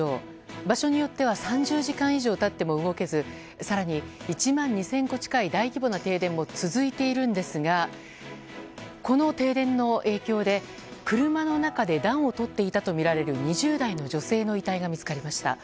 場所によっては３０時間以上経っても動けず更に１万２０００戸近い大規模な停電も続いているんですがこの停電の影響で車の中で暖をとっていたとみられる２０代の女性の遺体が見つかりました。